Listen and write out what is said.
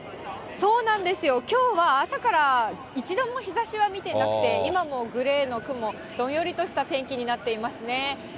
そうなんですよ、きょうは朝から、一度も日ざしは見ていなくて、今もグレーの雲、どんよりとした天気になっていますね。